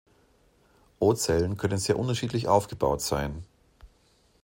Ocellen können sehr unterschiedlich aufgebaut sein.